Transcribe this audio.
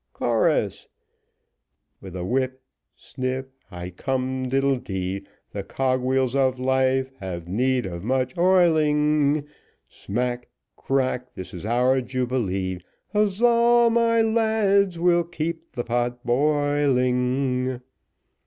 Chorus. With a whip, snip, high cum diddledy, The cog wheels of life have need of much oiling; Smack, crack this is our jubilee; Huzza, my lads! we'll keep the pot boiling.